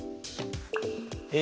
え